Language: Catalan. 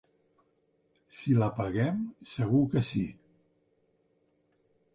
Si la paguem, segur que sí.